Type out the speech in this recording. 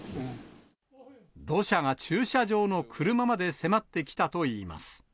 土砂が駐車場の車まで迫ってきたといいます。